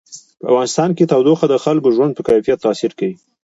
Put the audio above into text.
په افغانستان کې تودوخه د خلکو د ژوند په کیفیت تاثیر کوي.